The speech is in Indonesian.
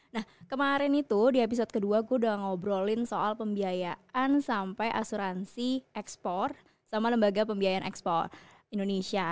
nah kemarin itu di episode kedua gue udah ngobrolin soal pembiayaan sampai asuransi ekspor sama lembaga pembiayaan ekspor indonesia